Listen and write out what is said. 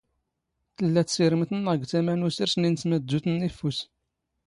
ⵜⵍⵍⴰ ⵜⵙⵉⵔⵎⵜ ⵏⵏⵖ ⴳ ⵜⴰⵎⴰ ⵏ ⵓⵙⵔⵙ ⵏ ⵉⵏⵙⵎⴰⴷⴷⵓⵜⵏ ⵏ ⵉⴼⴼⵓⵙ.